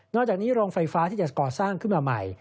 อกจากนี้โรงไฟฟ้าที่จะก่อสร้างขึ้นมาใหม่